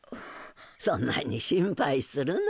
そんなに心配するな。